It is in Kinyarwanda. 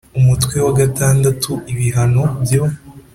Umutwe wa vi ibihano byo